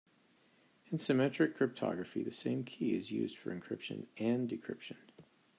In symmetric cryptography the same key is used for encryption and decryption.